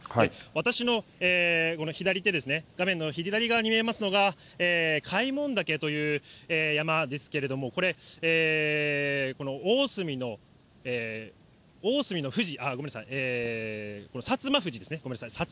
私のこの左手、画面の左側に見えますのが、開聞岳という山ですけれども、これ、おおすみの富士、ごめんなさい、薩摩富士ですね、薩摩